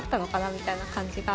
みたいな感じが。